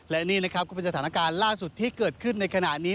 และนี่นะครับก็เป็นสถานการณ์ล่าสุดที่เกิดขึ้นในขณะนี้